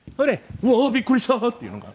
うわーびっくりした！っていうのが。